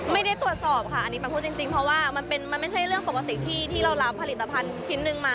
ไม่ได้ตรวจสอบค่ะอันนี้ไปพูดจริงเพราะว่ามันไม่ใช่เรื่องปกติที่เรารับผลิตภัณฑ์ชิ้นหนึ่งมา